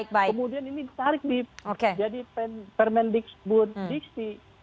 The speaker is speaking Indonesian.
kemudian ini ditarik di permendikbud diksi